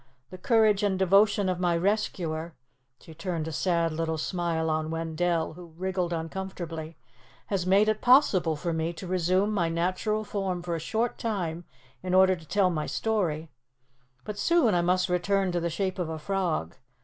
"The courage and devotion of my rescuer," she turned a sad little smile on Wendell, who wriggled uncomfortably, "has made it possible for me to resume my natural form for a short time, in order to tell my story, but soon I must return to the shape of a frog.